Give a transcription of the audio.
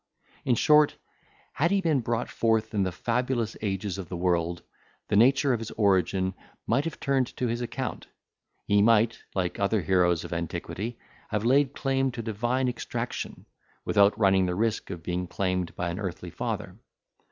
In short, had he been brought forth in the fabulous ages of the world, the nature of his origin might have turned to his account; he might, like other heroes of antiquity, have laid claim to divine extraction, without running the risk of being claimed by an earthly father.